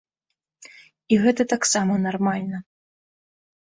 І гэта таксама нармальна.